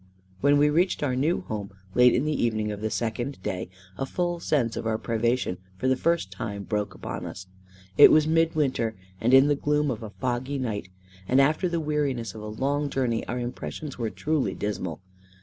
When we reached our new home, late in the evening of the second day, a full sense of our privation for the first time broke upon us. It was mid winter, and in the gloom of a foggy night, and after the weariness of a long journey, our impressions were truly dismal.